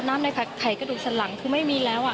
น้ำในไพ่กระดูกสันหลังคือไม่มีแล้ว